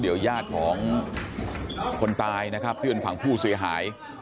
เดี๋ยวญาติของคนตายนะครับที่เป็นฝั่งผู้เสียหาย